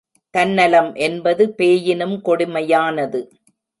தன்னலம் என்பது பேயினும் கொடுமையானது.